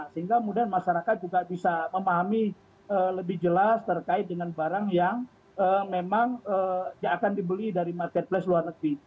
sehingga kemudian masyarakat juga bisa memahami lebih jelas terkait dengan barang yang memang akan dibeli dari marketplace luar negeri